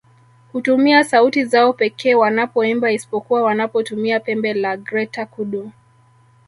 Hutumia sauti zao pekee wanapoimba isipokuwa wanapotumia pembe la Greater Kudu